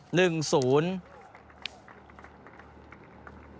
หนึ่งศูนย์